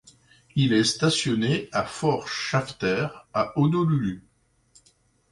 Il est stationné à Fort Shafter à Honolulu.